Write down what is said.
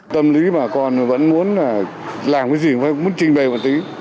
tâm lý bà con vẫn muốn làm cái gì cũng muốn trình bày một tí